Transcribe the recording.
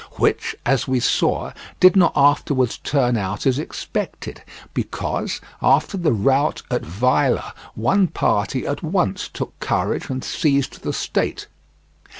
Which, as we saw, did not afterwards turn out as expected, because, after the rout at Vaila, one party at once took courage and seized the state.